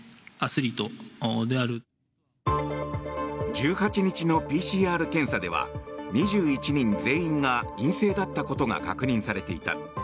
１８日のＰＣＲ検査では２１人全員が陰性だったことが確認されていた。